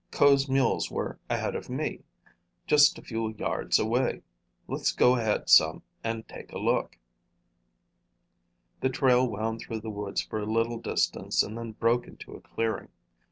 "Ko's mules were ahead of me, just a few yards away. Let's go ahead some and take a look." The trail wound through the woods for a little distance and then broke into a clearing.